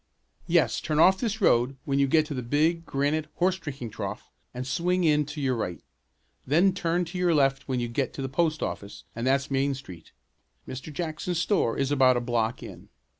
"Yes, turn off this road when you get to the big granite horse drinking trough and swing in to your right. Then turn to your left when you get to the post office and that's Main Street. Mr. Jackson's store is about a block in."